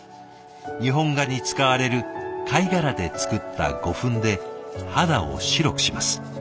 日本画に使われる貝殻で作った胡粉で肌を白くします。